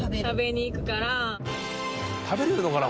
食べれるのかな？